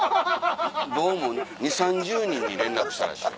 どうも２０３０人に連絡したらしい。